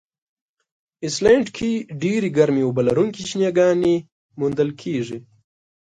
آیسلنډ کې ډېرې ګرمي اوبه لرونکي چینهګانې موندل کیږي.